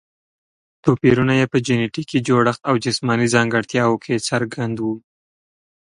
توپیرونه یې په جینټیکي جوړښت او جسماني ځانګړتیاوو کې څرګند وو.